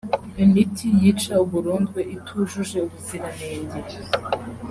Imiti yica uburondwe itujuje ubuziranenge